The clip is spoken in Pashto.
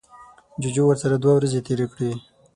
جوجو ورسره دوه ورځې تیرې کړې.